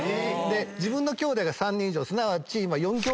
自分のきょうだいが３人以上すなわち。